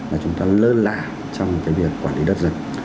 mà chúng ta lơ lạ trong cái việc quản lý đất rừng